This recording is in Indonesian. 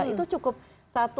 itu cukup satu